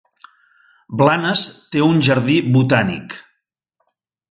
Blanes té un jardí botànic.